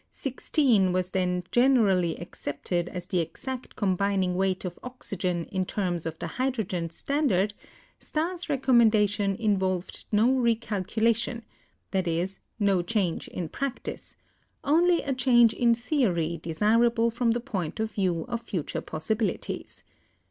00 was then generally accepted as the exact combining weight of oxygen in terms of the hydrogen standard, Stas' recommendation involved no recalculation; THE ATOMIC WEIGHTS 275 that is, no change in practice, only a change in theory de sirable from the point of view of future possibilities.